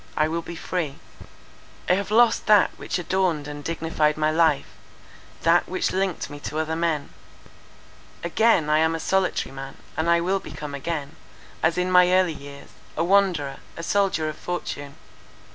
I will be free. "I have lost that which adorned and dignified my life; that which linked me to other men. Again I am a solitary man; and I will become again, as in my early years, a wanderer, a soldier of fortune.